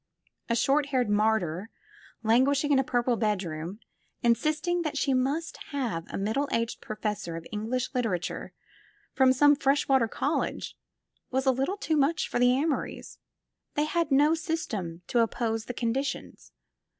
A short haired martyr, languishing in a purple bedroom, insisting that she must have a middle aged professor of English liter ature from some fresh water college, was a little too much for the Amorys; they had no system to oppose to the conditions.